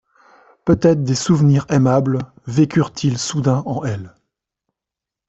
Peut-être des souvenirs aimables vécurent-ils soudain en elle.